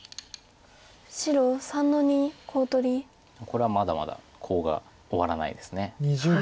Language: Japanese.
これはまだまだコウが終わらないです。